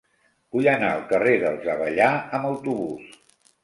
Vull anar al carrer dels Avellà amb autobús.